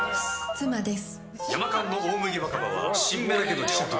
妻です。